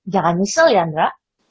jangan nyesel ya sandra